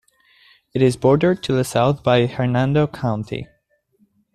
It is bordered to the south by Hernando County.